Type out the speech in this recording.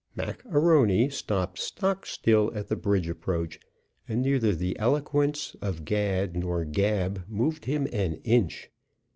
Mac A'Rony stopped stock still at the bridge approach, and neither the eloquence of gad nor gab moved him an inch.